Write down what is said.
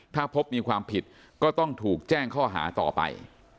ถ้าพบมีความผิดก็ต้องถูกแจ้งข้อหาต่อไป